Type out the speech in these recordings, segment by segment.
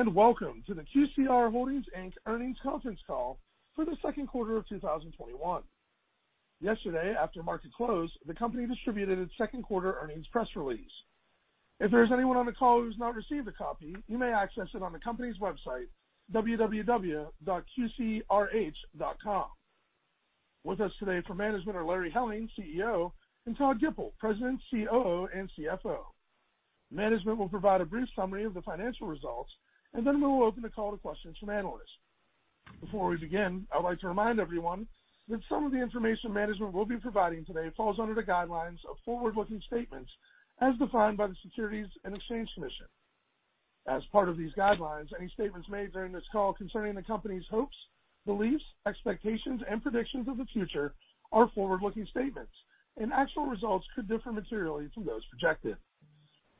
Greetings, and welcome to the QCR Holdings, Inc. earnings conference call for the second quarter of 2021. Yesterday, after market close, the company distributed its second quarter earnings press release. If there is anyone on the call who has not received a copy, you may access it on the company's website, www.qcrh.com. With us today for management are Larry Helling, CEO, and Todd Gipple, President, COO, and CFO. Management will provide a brief summary of the financial results, and then we will open the call to questions from analysts. Before we begin, I'd like to remind everyone that some of the information management will be providing today falls under the guidelines of forward-looking statements as defined by the Securities and Exchange Commission. As part of these guidelines, any statements made during this call concerning the company's hopes, beliefs, expectations, and predictions of the future are forward-looking statements, and actual results could differ materially from those projected.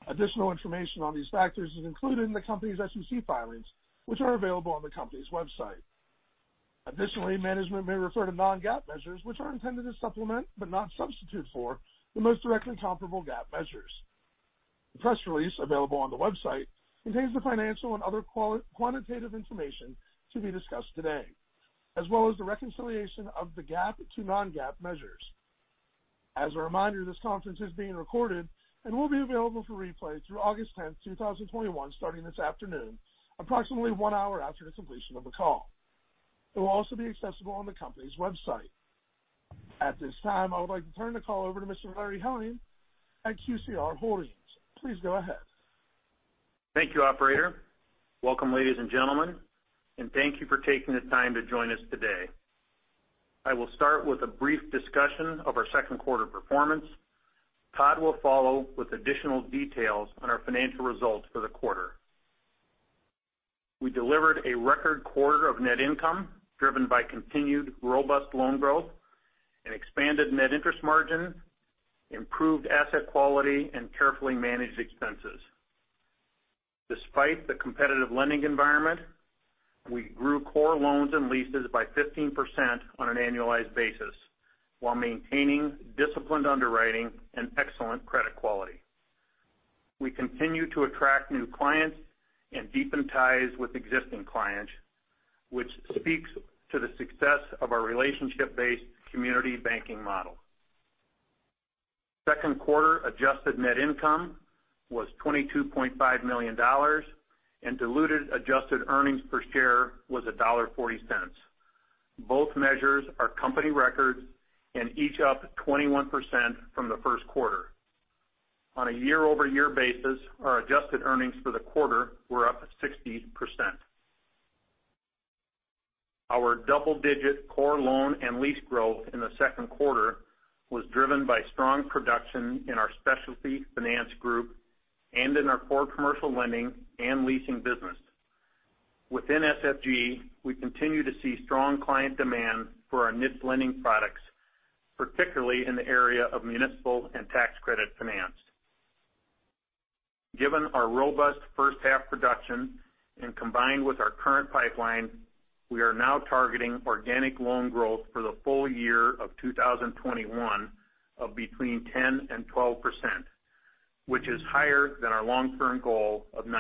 Additional information on these factors is included in the company's SEC filings, which are available on the company's website. Additionally, management may refer to non-GAAP measures, which are intended to supplement, but not substitute for, the most directly comparable GAAP measures. The press release available on the website contains the financial and other quantitative information to be discussed today, as well as the reconciliation of the GAAP to non-GAAP measures. As a reminder, this conference is being recorded and will be available for replay through August 10th, 2021, starting this afternoon, approximately one hour after the completion of the call. It will also be accessible on the company's website. At this time, I would like to turn the call over to Mr. Larry Helling at QCR Holdings. Please go ahead. Thank you, operator. Welcome, ladies and gentlemen, thank you for taking the time to join us today. I will start with a brief discussion of our second quarter performance. Todd will follow with additional details on our financial results for the quarter. We delivered a record quarter of net income driven by continued robust loan growth and expanded net interest margin, improved asset quality, and carefully managed expenses. Despite the competitive lending environment, we grew core loans and leases by 15% on an annualized basis while maintaining disciplined underwriting and excellent credit quality. We continue to attract new clients and deepen ties with existing clients, which speaks to the success of our relationship-based community banking model. Second quarter adjusted net income was $22.5 million, and diluted adjusted earnings per share was $1.40. Both measures are company records and each up 21% from the first quarter. On a year-over-year basis, our adjusted earnings for the quarter were up 60%. Our double-digit core loan and lease growth in the second quarter was driven by strong production in our Specialty Finance Group and in our core commercial lending and leasing business. Within SFG, we continue to see strong client demand for our niche lending products, particularly in the area of municipal and tax credit finance. Given our robust first half production and combined with our current pipeline, we are now targeting organic loan growth for the full-year of 2021 of between 10% and 12%, which is higher than our long-term goal of 9%.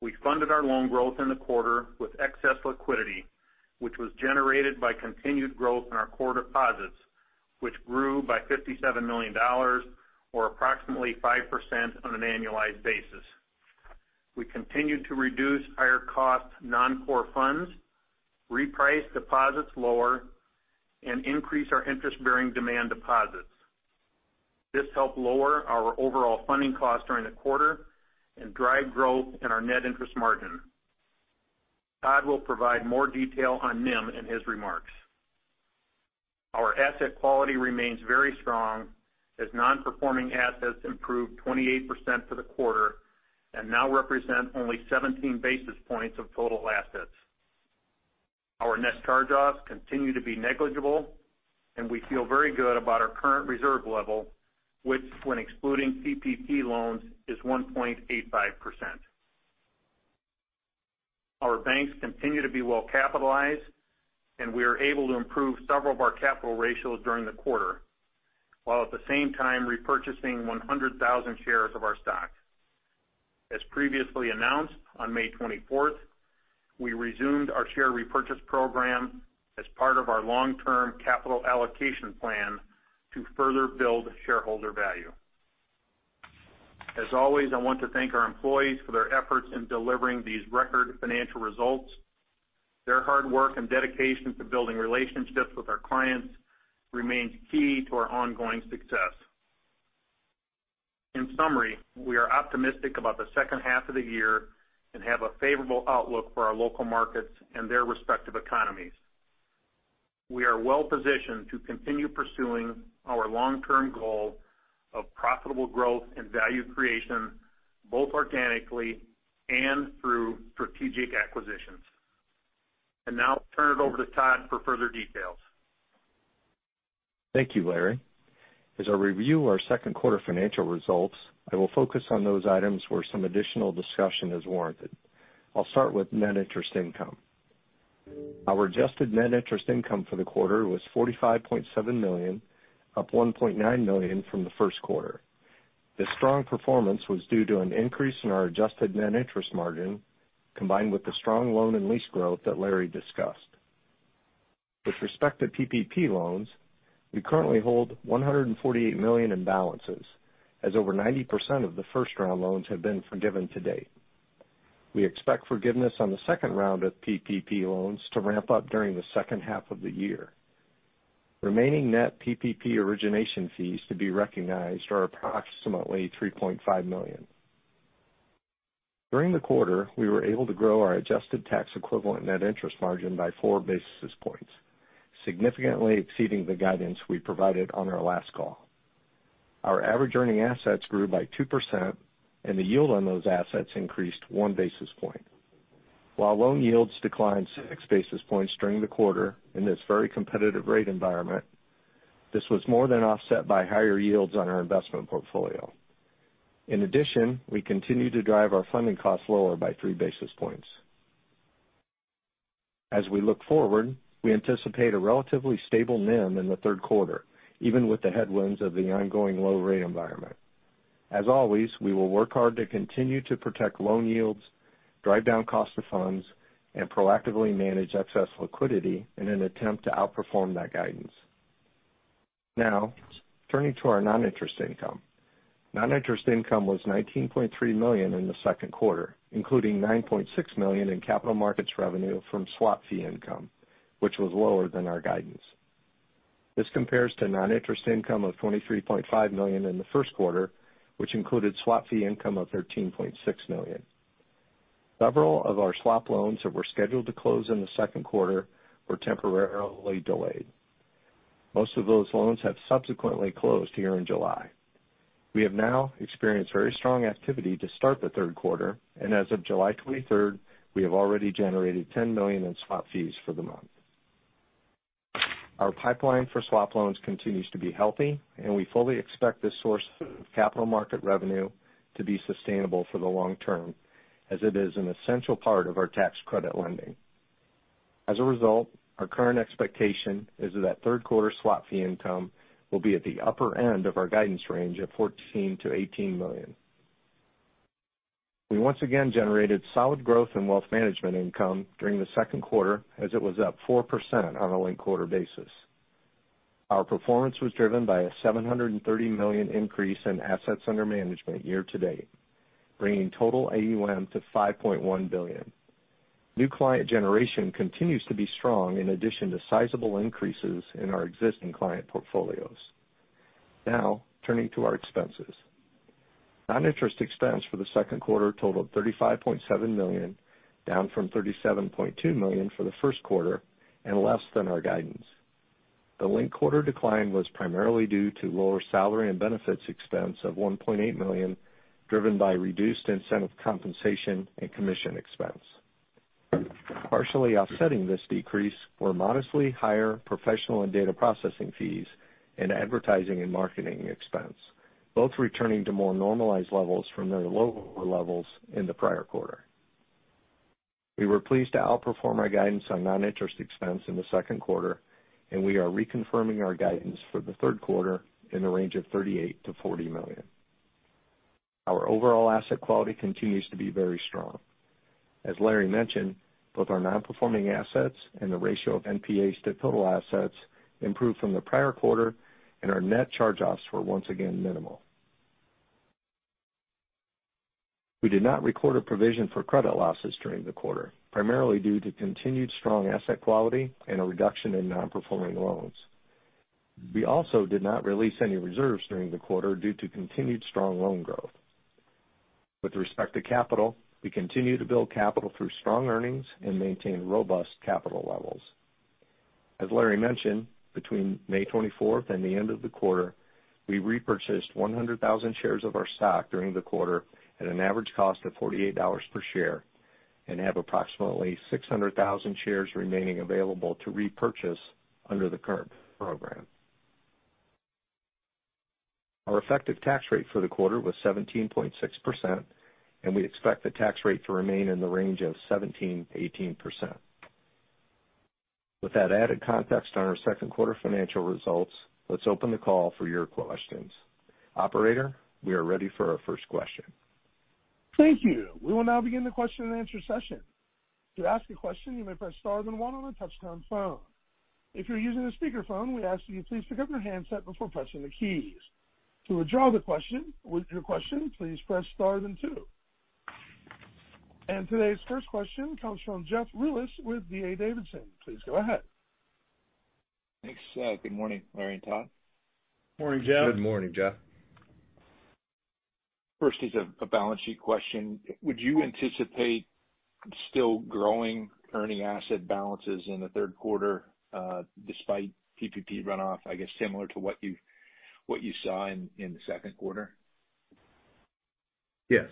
We funded our loan growth in the quarter with excess liquidity, which was generated by continued growth in our core deposits, which grew by $57 million or approximately 5% on an annualized basis. We continued to reduce higher cost non-core funds, reprice deposits lower, and increase our interest-bearing demand deposits. This helped lower our overall funding cost during the quarter and drive growth in our net interest margin. Todd will provide more detail on NIM in his remarks. Our asset quality remains very strong as non-performing assets improved 28% for the quarter and now represent only 17 basis points of total assets. Our net charge-offs continue to be negligible, and we feel very good about our current reserve level, which when excluding PPP loans, is 1.85%. Our banks continue to be well capitalized, and we are able to improve several of our capital ratios during the quarter, while at the same time repurchasing 100,000 shares of our stock. As previously announced on May 24th, we resumed our share repurchase program as part of our long-term capital allocation plan to further build shareholder value. As always, I want to thank our employees for their efforts in delivering these record financial results. Their hard work and dedication to building relationships with our clients remains key to our ongoing success. In summary, we are optimistic about the second half of the year and have a favorable outlook for our local markets and their respective economies. We are well positioned to continue pursuing our long-term goal of profitable growth and value creation, both organically and through strategic acquisitions. Now I'll turn it over to Todd for further details. Thank you, Larry. As I review our second quarter financial results, I will focus on those items where some additional discussion is warranted. I'll start with net interest income. Our adjusted net interest income for the quarter was $45.7 million, up $1.9 million from the first quarter. The strong performance was due to an increase in our adjusted net interest margin, combined with the strong loan and lease growth that Larry discussed. With respect to PPP loans, we currently hold $148 million in balances, as over 90% of the first-round loans have been forgiven to date. We expect forgiveness on the second round of PPP loans to ramp up during the second half of the year. Remaining net PPP origination fees to be recognized are approximately $3.5 million. During the quarter, we were able to grow our adjusted tax equivalent net interest margin by 4 basis points, significantly exceeding the guidance we provided on our last call. Our average earning assets grew by 2%, and the yield on those assets increased 1 basis point. While loan yields declined 6 basis points during the quarter in this very competitive rate environment, this was more than offset by higher yields on our investment portfolio. In addition, we continue to drive our funding costs lower by 3 basis points. As we look forward, we anticipate a relatively stable NIM in the third quarter, even with the headwinds of the ongoing low rate environment. As always, we will work hard to continue to protect loan yields, drive down cost of funds, and proactively manage excess liquidity in an attempt to outperform that guidance. Now, turning to our non-interest income. Non-interest income was $19.3 million in the second quarter, including $9.6 million in capital markets revenue from swap fee income, which was lower than our guidance. This compares to non-interest income of $23.5 million in the first quarter, which included swap fee income of $13.6 million. Several of our swap loans that were scheduled to close in the second quarter were temporarily delayed. Most of those loans have subsequently closed here in July. We have now experienced very strong activity to start the third quarter, and as of July 23rd, we have already generated $10 million in swap fees for the month. Our pipeline for swap loans continues to be healthy, and we fully expect this source of capital markets revenue to be sustainable for the long-term, as it is an essential part of our tax credit lending. As a result, our current expectation is that third quarter swap fee income will be at the upper end of our guidance range of $14 million-$18 million. We once again generated solid growth in wealth management income during the second quarter, as it was up 4% on a linked-quarter basis. Our performance was driven by a $730 million increase in assets under management year-to-date, bringing total AUM to $5.1 billion. New client generation continues to be strong in addition to sizable increases in our existing client portfolios. Turning to our expenses. Non-interest expense for the second quarter totaled $35.7 million, down from $37.2 million for the first quarter and less than our guidance. The linked quarter decline was primarily due to lower salary and benefits expense of $1.8 million, driven by reduced incentive compensation and commission expense. Partially offsetting this decrease were modestly higher professional and data processing fees and advertising and marketing expense, both returning to more normalized levels from their lower levels in the prior quarter. We were pleased to outperform our guidance on non-interest expense in the second quarter, and we are reconfirming our guidance for the third quarter in the range of $38 million-$40 million. Our overall asset quality continues to be very strong. As Larry mentioned, both our non-performing assets and the ratio of NPAs to total assets improved from the prior quarter, and our net charge-offs were once again minimal. We did not record a provision for credit losses during the quarter, primarily due to continued strong asset quality and a reduction in non-performing loans. We also did not release any reserves during the quarter due to continued strong loan growth. With respect to capital, we continue to build capital through strong earnings and maintain robust capital levels. As Larry mentioned, between May 24th and the end of the quarter, we repurchased 100,000 shares of our stock during the quarter at an average cost of $48 per share and have approximately 600,000 shares remaining available to repurchase under the current program. Our effective tax rate for the quarter was 17.6%, and we expect the tax rate to remain in the range of 17%-18%. With that added context on our second quarter financial results, let's open the call for your questions. Operator, we are ready for our first question. Thank you. We will now begin the question-and-answer session. To ask a question, you may press star then one on a touch-tone phone. If you're using a speakerphone, we ask that you please pick up your handset before pressing the keys. To withdraw the question, with your question, please press star then two. Today's first question comes from Jeff Rulis with D.A. Davidson. Please go ahead. Thanks. Good morning, Larry and Todd. Morning, Jeff. Good morning, Jeff. First is a balance sheet question. Would you anticipate still growing earning asset balances in the third quarter, despite PPP runoff, I guess, similar to what you saw in the second quarter? Yes.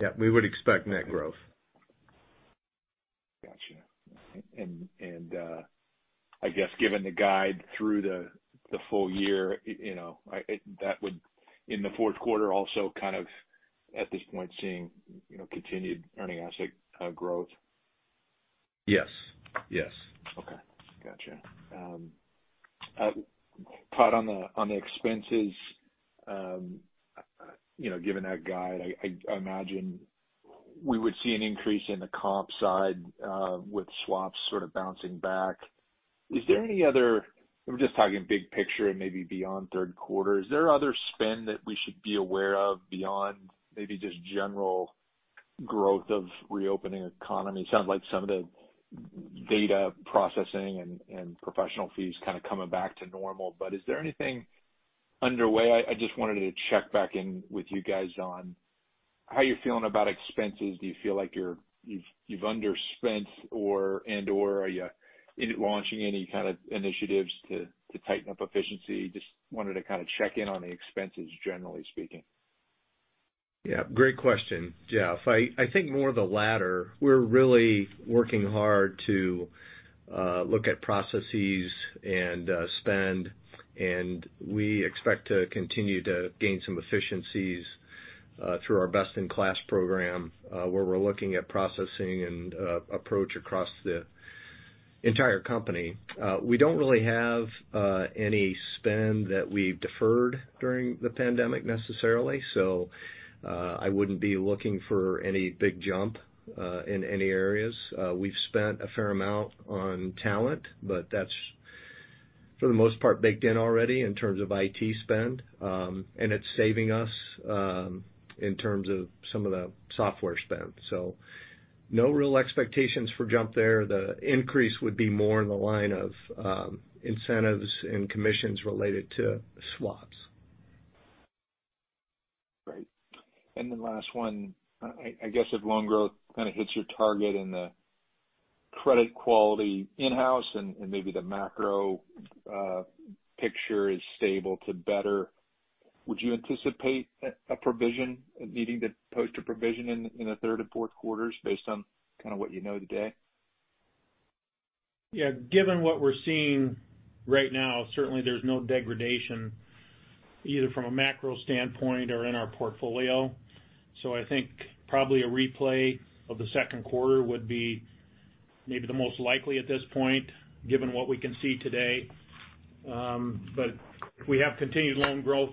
Yeah, we would expect net growth. Got you. I guess given the guide through the full-year, that would in the fourth quarter also kind of at this point seeing continued earning asset growth. Yes. Okay. Got you. Todd, on the expenses, given that guide, I imagine we would see an increase in the comp side with swaps sort of bouncing back. I'm just talking big picture and maybe beyond third quarter. Is there other spend that we should be aware of beyond maybe just general growth of reopening economy? It sounds like some of the data processing and professional fees kind of coming back to normal, but is there anything underway? I just wanted to check back in with you guys on how you're feeling about expenses. Do you feel like you've underspent and/or are you launching any kind of initiatives to tighten up efficiency? Just wanted to kind of check in on the expenses, generally speaking. Yeah. Great question, Jeff. I think more of the latter. We're really working hard to look at processes and spend, and we expect to continue to gain some efficiencies through our best-in-class program, where we're looking at processing and approach across the entire company. We don't really have any spend that we've deferred during the pandemic, necessarily. I wouldn't be looking for any big jump in any areas. We've spent a fair amount on talent, but that's for the most part, baked in already in terms of IT spend. It's saving us in terms of some of the software spend. No real expectations for jump there. The increase would be more in the line of incentives and commissions related to swaps. Great. Last one, I guess if loan growth kind of hits your target and the credit quality in-house and maybe the macro picture is stable to better, would you anticipate a provision needing to post a provision in the third and fourth quarters based on kind of what you know today? Yeah. Given what we're seeing right now, certainly there's no degradation either from a macro standpoint or in our portfolio. I think probably a replay of the second quarter would be maybe the most likely at this point, given what we can see today. If we have continued loan growth,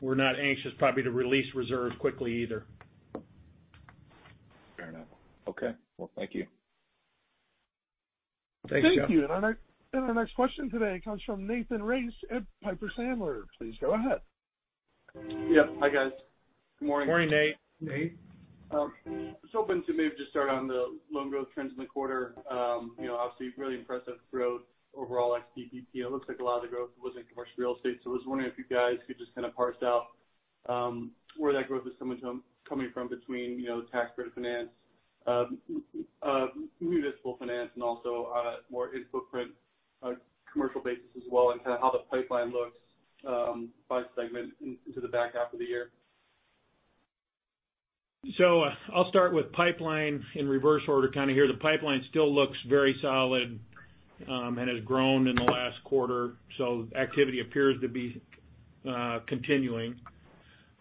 we're not anxious probably to release reserves quickly either. Fair enough. Okay. Well, thank you. Thanks, Jeff. Thank you. Our next question today comes from Nathan Race at Piper Sandler. Please go ahead. Yeah. Hi, guys. Good morning. Morning, Nate. Nate. I was hoping to maybe just start on the loan growth trends in the quarter. Obviously really impressive growth overall, like ex-PPP. It looks like a lot of the growth was in commercial real estate. I was wondering if you guys could just kind of parse out where that growth is coming from between tax credit finance, municipal finance, and also more in-footprint commercial basis as well, and kind of how the pipeline looks by segment into the back half of the year. I'll start with pipeline in reverse order kind of here. The pipeline still looks very solid and has grown in the last quarter. Activity appears to be continuing.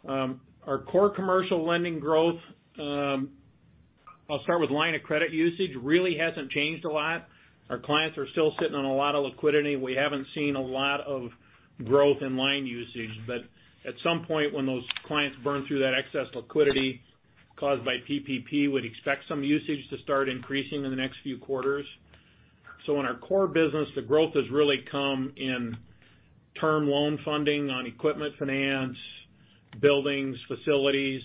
Our core commercial lending growth, I'll start with line of credit usage, really hasn't changed a lot. Our clients are still sitting on a lot of liquidity, and we haven't seen a lot of growth in line usage. At some point when those clients burn through that excess liquidity caused by PPP, we would expect some usage to start increasing in the next few quarters. In our core business, the growth has really come in term loan funding on equipment finance, buildings, facilities.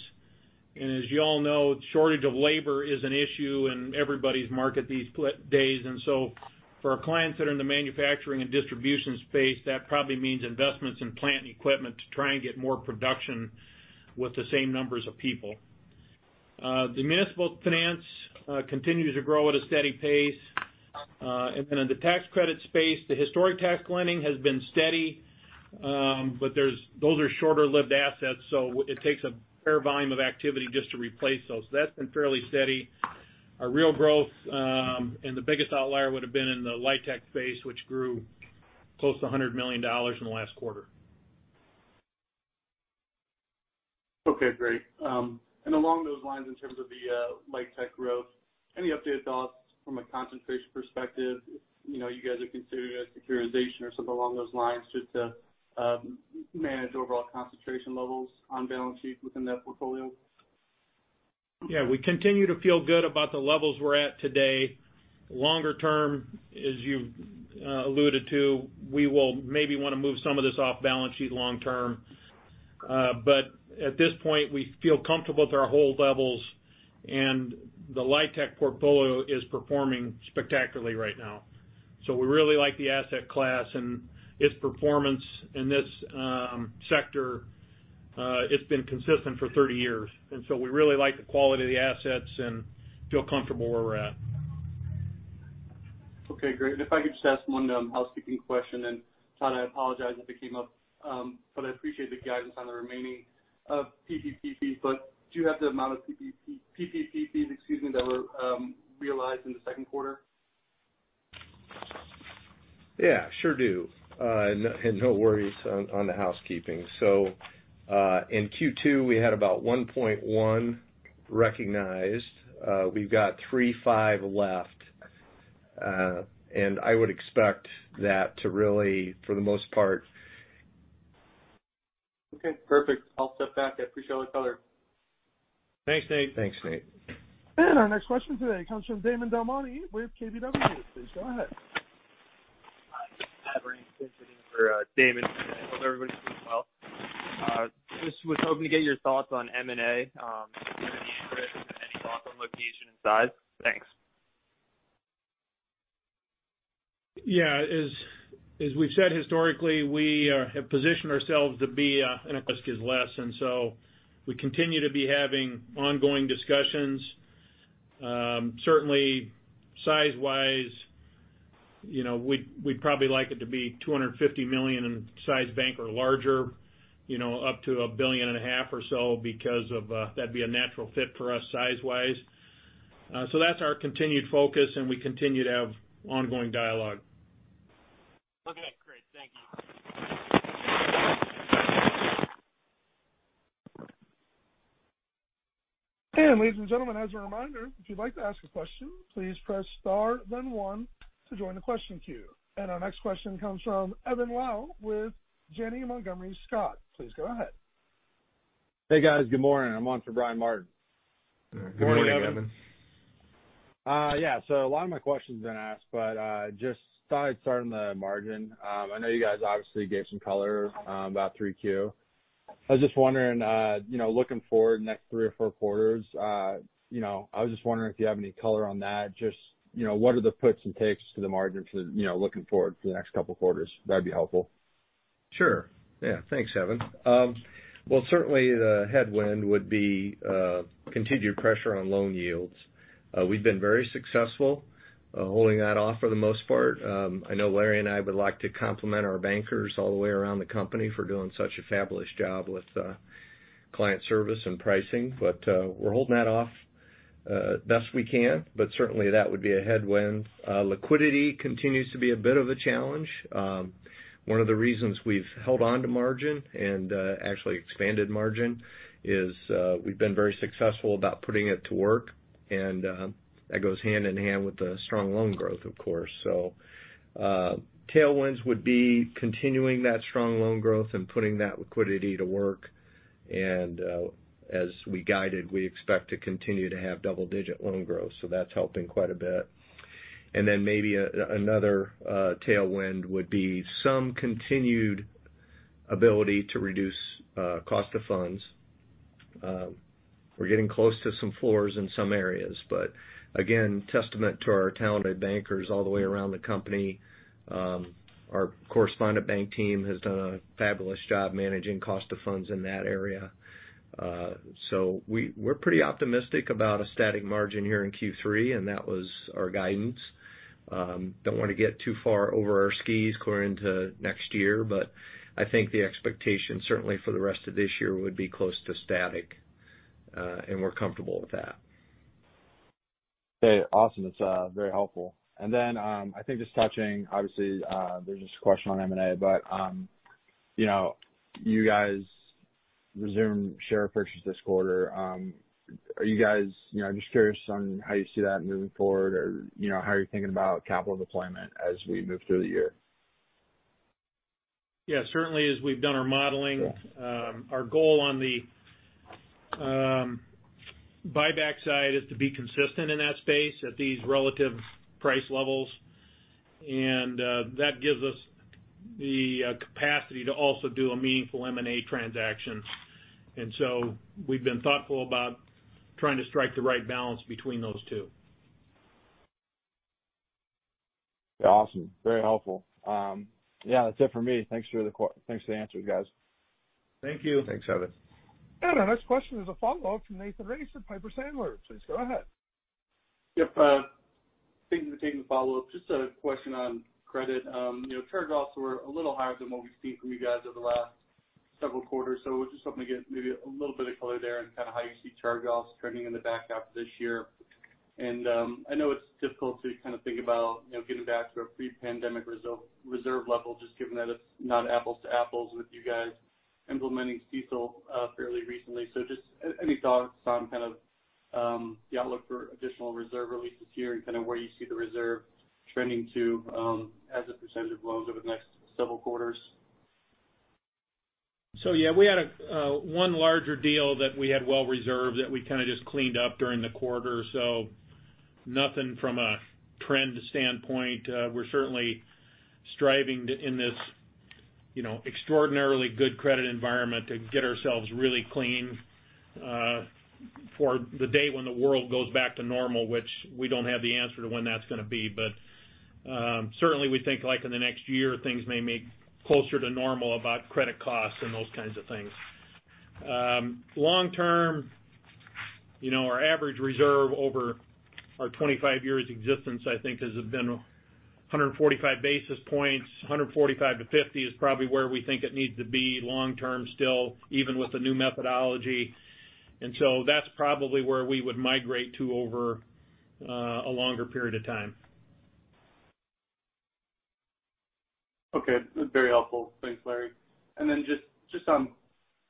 As you all know, shortage of labor is an issue in everybody's market these days. For our clients that are in the manufacturing and distribution space, that probably means investments in plant and equipment to try and get more production with the same numbers of people. The municipal finance continues to grow at a steady pace. In the tax credit space, the historic tax lending has been steady. Those are shorter-lived assets, so it takes a fair volume of activity just to replace those. That's been fairly steady. Our real growth and the biggest outlier would've been in the LIHTC space, which grew close to $100 million in the last quarter. Okay, great. Along those lines, in terms of the LIHTC growth, any updated thoughts from a concentration perspective? You guys are considering a securitization or something along those lines just to manage overall concentration levels on balance sheet within that portfolio? Yeah, we continue to feel good about the levels we're at today. Longer-term, as you alluded to, we will maybe want to move some of this off balance sheet long-term. At this point, we feel comfortable with our hold levels and the LIHTC portfolio is performing spectacularly right now. We really like the asset class and its performance in this sector. It's been consistent for 30 years. We really like the quality of the assets and feel comfortable where we're at. Okay, great. If I could just ask one housekeeping question. Todd, I apologize if it came up, I appreciate the guidance on the remaining PPP fees. Do you have the amount of PPP fees, excuse me, that were realized in the second quarter? Yeah, sure do. No worries on the housekeeping. In Q2, we had about $1.1 million recognized. We've got $3.5 million left. Okay, perfect. I'll step back. I appreciate all the color. Thanks, Nate. Thanks, Nate. Our next question today comes from Damon DelMonte with KBW. Please go ahead. Hi, Larry. I hope everybody's doing well. Just was hoping to get your thoughts on M&A, if there's any interest, any thoughts on location and size. Thanks. Yeah. As we've said historically, we have positioned ourselves to be and our risk is less, we continue to be having ongoing discussions. Certainly size-wise, we'd probably like it to be $250 million in size bank or larger, up to a billion and a half or so because that'd be a natural fit for us size-wise. That's our continued focus, and we continue to have ongoing dialogue. Okay, great. Thank you. Ladies and gentlemen, as a reminder, if you'd like to ask a question, please press star then one to join the question queue. Our next question comes from Evan Lowe with Janney Montgomery Scott. Please go ahead. Hey, guys. Good morning. I'm on for Brian Martin. Good morning, Evan. Good morning. Yeah. A lot of my question's been asked, but just thought I'd start on the margin. I know you guys obviously gave some color about 3Q. I was just wondering, looking forward next three or four quarters, I was just wondering if you have any color on that. Just what are the puts and takes to the margin looking forward for the next couple of quarters? That'd be helpful. Sure. Yeah. Thanks, Evan. Well, certainly the headwind would be continued pressure on loan yields. We've been very successful holding that off for the most part. I know Larry and I would like to compliment our bankers all the way around the company for doing such a fabulous job with client service and pricing. We're holding that off best we can, but certainly that would be a headwind. Liquidity continues to be a bit of a challenge. One of the reasons we've held onto margin and actually expanded margin is we've been very successful about putting it to work, and that goes hand in hand with the strong loan growth, of course. Tailwinds would be continuing that strong loan growth and putting that liquidity to work. As we guided, we expect to continue to have double-digit loan growth, so that's helping quite a bit. Then maybe another tailwind would be some continued ability to reduce cost of funds. We're getting close to some floors in some areas, but again, testament to our talented bankers all the way around the company. Our correspondent bank team has done a fabulous job managing cost of funds in that area. We're pretty optimistic about a static margin here in Q3, and that was our guidance. Don't want to get too far over our skis going into next year, but I think the expectation certainly for the rest of this year would be close to static. We're comfortable with that. Okay, awesome. That's very helpful. I think just touching, obviously, there's this question on M&A, but you guys resumed share purchase this quarter. I'm just curious on how you see that moving forward or how you're thinking about capital deployment as we move through the year. Yeah, certainly as we've done our modeling. Yeah our goal on the buyback side is to be consistent in that space at these relative price levels. That gives us the capacity to also do a meaningful M&A transaction. We've been thoughtful about trying to strike the right balance between those two. Awesome. Very helpful. Yeah, that's it for me. Thanks for the answers, guys. Thank you. Thanks, Evan. Our next question is a follow-up from Nathan Race with Piper Sandler. Please go ahead. Yep. Thank you for taking the follow-up. Just a question on credit. Charge-offs were a little higher than what we've seen from you guys over the last several quarters. I was just hoping to get maybe a little bit of color there on how you see charge-offs trending in the back half of this year. I know it's difficult to think about getting back to a pre-pandemic reserve level, just given that it's not apples to apples with you guys implementing CECL fairly recently. Just any thoughts on kind of the outlook for additional reserve releases here and kind of where you see the reserve trending to as a percent of loans over the next several quarters? Yeah, we had one larger deal that we had well reserved that we kind of just cleaned up during the quarter. Nothing from a trend standpoint. We're certainly striving in this extraordinarily good credit environment to get ourselves really clean for the day when the world goes back to normal, which we don't have the answer to when that's going to be. Certainly we think like in the next year, things may be closer to normal about credit costs and those kinds of things. Long-term, our average reserve over our 25 years existence, I think has been 145 basis points. 145-150 is probably where we think it needs to be long-term still, even with the new methodology. That's probably where we would migrate to over a longer period of time. Okay. Very helpful. Thanks, Larry. Just on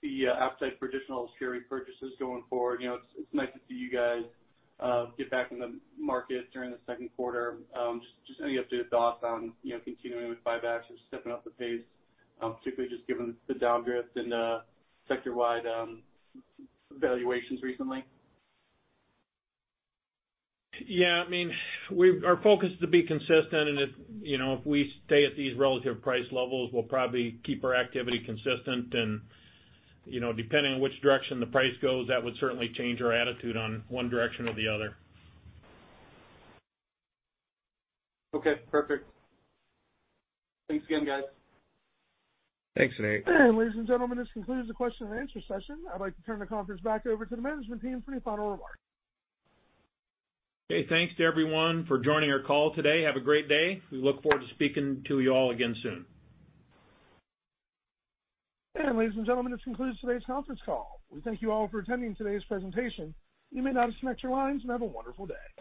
the appetite for additional share repurchases going forward, it's nice to see you guys get back in the market during the second quarter. Just any updated thoughts on continuing with buybacks or stepping up the pace, particularly just given the downdraft in the sector-wide valuations recently? Yeah. Our focus is to be consistent, and if we stay at these relative price levels, we'll probably keep our activity consistent. Depending on which direction the price goes, that would certainly change our attitude on one direction or the other. Okay, perfect. Thanks again, guys. Thanks, Nate. Ladies and gentlemen, this concludes the question-and-answer session. I'd like to turn the conference back over to the management team for any final remarks. Okay. Thanks to everyone for joining our call today. Have a great day. We look forward to speaking to you all again soon. Ladies and gentlemen, this concludes today's conference call. We thank you all for attending today's presentation. You may now disconnect your lines and have a wonderful day.